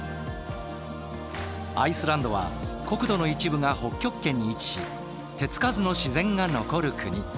アイスランドは国土の一部が北極圏に位置し手付かずの自然が残る国。